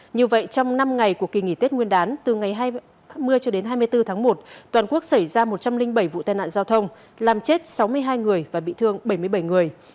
như vậy trong năm ngày của kỳ nghỉ tết nguyên đán từ ngày hai mươi cho đến hai mươi bốn tháng một toàn quốc xảy ra một trăm linh bảy vụ tai nạn giao thông làm chết sáu mươi hai người và bị thương bảy mươi bảy người